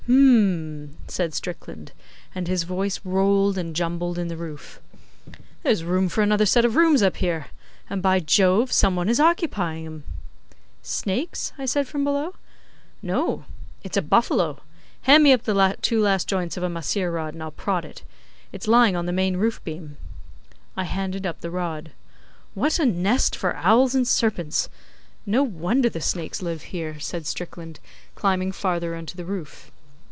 'H'm!' said Strickland, and his voice rolled and rumbled in the roof. 'There's room for another set of rooms up here, and, by Jove, some one is occupying 'em!' 'Snakes?' I said from below. 'No. It's a buffalo. Hand me up the two last joints of a mahseer rod, and I'll prod it. It's lying on the main roof beam.' I handed up the rod. 'What a nest for owls and serpents! No wonder the snakes live here,' said Strickland, climbing farther into the roof.